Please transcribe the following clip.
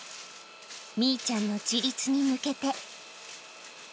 みいちゃんの自立に向けて。